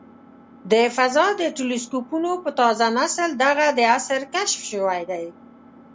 د فضا د ټیلسکوپونو په تازه نسل دغه د عصر کشف شوی دی.